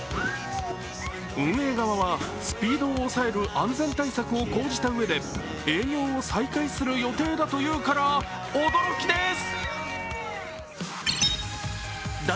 運営側はスピードを抑える安全対策を講じたうえで営業を再開する予定だというから驚きです。